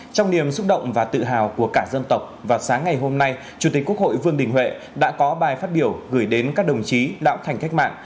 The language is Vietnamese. trong niềm xúc động và tự hào của cả dân tộc vào sáng ngày hôm nay chủ tịch quốc hội vương đình huệ đã có bài phát biểu gửi đến các đồng chí lão thành cách mạng